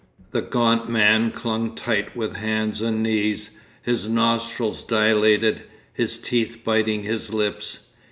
The gaunt man clung tight with hand and knees; his nostrils dilated, his teeth biting his lips.